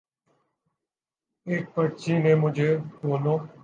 ایک پرچی نے مجھے دونوں